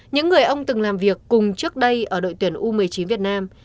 những người ông từng làm việc cùng trước đây ở đội tuyển u một mươi chín việt nam